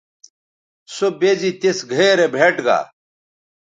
سو بے زی تِس گھئے رے بھئیٹ گا